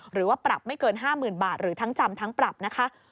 หรือว่าปรับไม่เกิน๕๐๐๐บาทหรือทั้งจำทั้งปรับนะคะ